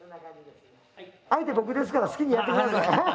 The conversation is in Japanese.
相手僕ですから好きにやって下さい。